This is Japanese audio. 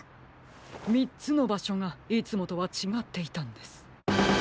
３つのばしょがいつもとはちがっていたんです！